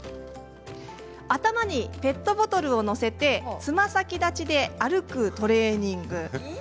頭にペットボトルを載せてつま先立ちで歩くトレーニングです。